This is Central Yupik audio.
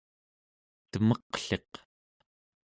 temeqliq